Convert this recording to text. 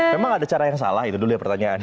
memang ada cara yang salah itu dulu ya pertanyaannya